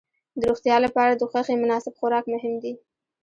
د روغتیا لپاره د غوښې مناسب خوراک مهم دی.